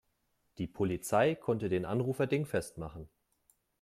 Die Polizei konnte den Anrufer dingfest machen.